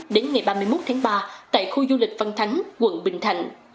đến ngày ba mươi một tháng ba tại khu du lịch văn thánh quận bình thạnh